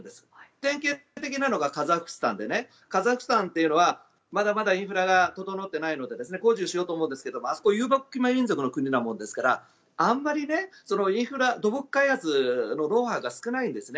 典型的なのがカザフスタンでカザフスタンというのはまだまだインフラが整ってないので工事をしようと思うんですけど遊牧民族の国ですからあまり土木開発のノウハウが少ないんですね。